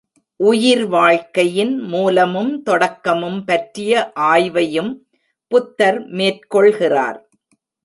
உயிர் வாழ்க்கையின் மூலமும் தொடக்கமும் பற்றிய ஆய்வையும் புத்தர் மேற்கொள்கிறார்.